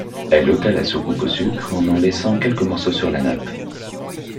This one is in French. Elle ôta la soucoupe au sucre, en en laissant quelques morceaux sur la nappe.